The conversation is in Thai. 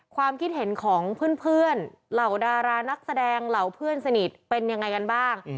ความคิดเห็นของเพื่อนเหล่าดารานักแสดงเหล่าเพื่อนสนิทเป็นยังไงกันบ้าง